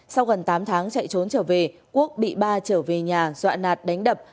sau gần tám tháng chạy trốn trở về quốc bị ba trở về nhà dọa nạt đánh đập